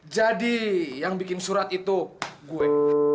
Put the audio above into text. jadi yang bikin surat itu gue